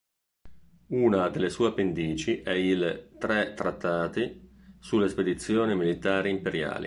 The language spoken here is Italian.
Una delle sue appendici è il "Tre trattati sulle spedizioni militari imperiali".